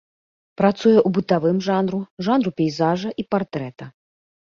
Працуе ў бытавым жанру, жанру пейзажа і партрэта.